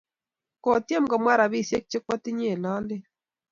Kotyem komwa rapisyek che kwotinye eng' lolet.